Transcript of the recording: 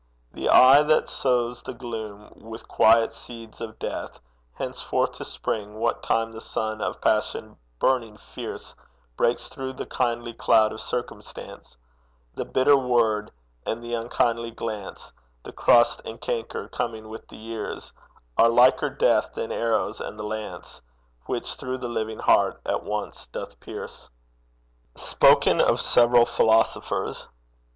The eye that sows the gloom With quiet seeds of Death henceforth to spring What time the sun of passion burning fierce Breaks through the kindly cloud of circumstance; The bitter word, and the unkindly glance, The crust and canker coming with the years, Are liker Death than arrows, and the lance Which through the living heart at once doth pierce. SPOKEN OF SEVERAL PHILOSOPHERS.